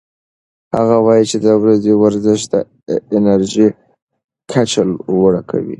هغه وايي چې د ورځې ورزش د انرژۍ کچه لوړه کوي.